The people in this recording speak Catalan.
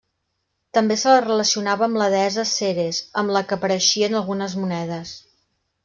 També se la relacionava amb la deessa Ceres, amb la que apareixia en algunes monedes.